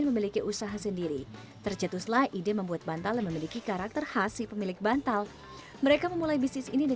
pemesan tinggal mengirim foto via email dan akan dibuatkan bantal yang mereka inginkan